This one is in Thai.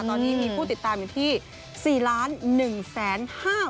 ตอนนี้มีผู้ติดตามอยู่ที่๔๑๕๐๐๐๐คนนั่นเองนะคะ